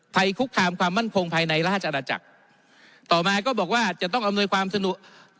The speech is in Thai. ภัยคุกคามความมั่นคงภายในราชอาณาจักรต่อมาก็บอกว่าจะต้องอำนวยความสะดวก